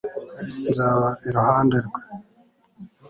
nzaba iruhande rwe